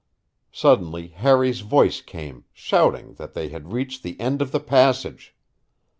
Suddenly Harry's voice came, shouting that they had reached the end of the passage.